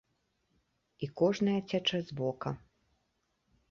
І кожная цячэ з вока.